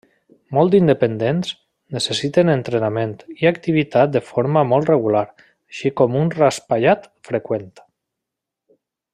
Molt independents, necessiten entrenament i activitat de forma molt regular, així com un raspallat freqüent.